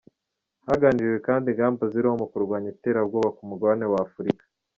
Haganiriwe kandi ingamba ziriho mu kurwanya iterabwoba ku mugabane w’Afurika.